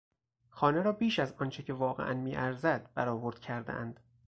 خانه را بیش از آنچه که واقعا میارزد برآورد کردهاند.